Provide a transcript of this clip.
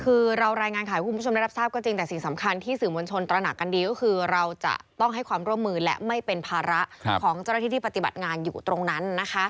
คือเรารายงานข่าวให้คุณผู้ชมได้รับทราบก็จริงแต่สิ่งสำคัญที่สื่อมวลชนตระหนักกันดีก็คือเราจะต้องให้ความร่วมมือและไม่เป็นภาระของเจ้าหน้าที่ที่ปฏิบัติงานอยู่ตรงนั้นนะคะ